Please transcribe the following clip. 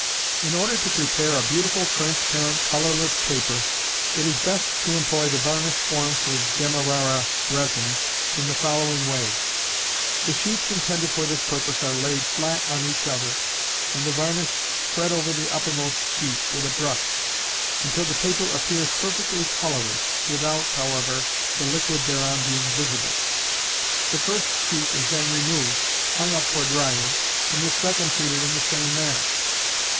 _ In order to prepare a beautiful transparent, colorless paper, it is best to employ the varnish formed with Demarara resin in the following way: The sheets intended for this purpose are laid flat on each other, and the varnish spread over the uppermost sheet with a brush, until the paper appears perfectly colorless, without, however, the liquid thereon being visible. The first sheet is then removed, hung up for drying, and the second treated in the same manner.